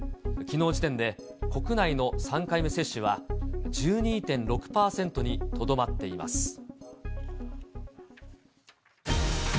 きのう時点で、国内の３回目接種は、１２．６％にとどまっています。